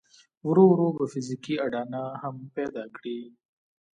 ورو ورو به فزيکي اډانه هم پيدا کړي.